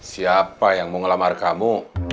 siapa yang mau ngelamar kamu